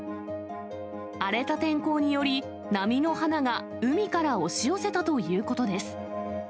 荒れた天候により、波の花が海から押し寄せたということです。